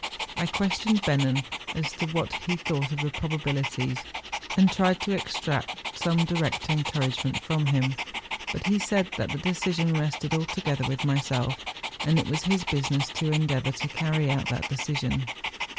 I questioned Bennen as to what he THE FINSTERAARHORN. 39 thought of the probabilities, and tried to extract gome direct encouragement from him; but he said that the decision rested altogether with myself, and it was his business to endeavour to carry out that decision.